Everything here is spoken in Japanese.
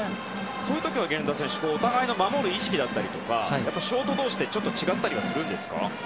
そういう時は源田選手、お互いの守る意識とかショート同士でちょっと違ったりするんですか？